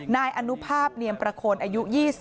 นายอนุภาพเนียมประโคนอายุ๒๐